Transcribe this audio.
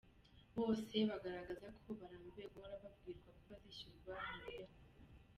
Bose bagaragaza ko barambiwe guhora babwirwa ko bazishyurwa ntibibeho.